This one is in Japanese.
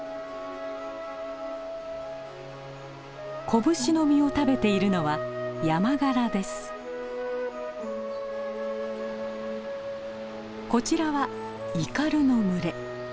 コブシの実を食べているのはこちらはイカルの群れ。